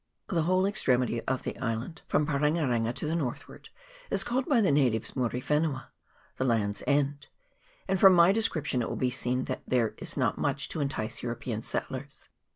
The whole extremity of the island, from Parenga renga to the northward, is called by the natives Muri wenua (the land's end), and from my descrip tion it will be seen that there is not much to entice European settlers.